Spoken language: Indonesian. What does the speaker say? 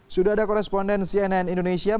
sudah ada koresponden cnn indonesia